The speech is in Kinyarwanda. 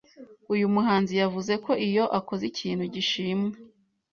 Uyu muhanzi yavuze ko iyo akoze ikintu gishimwa